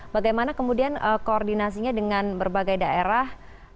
bagaimana kemudian koordinasinya dengan berbagai daerah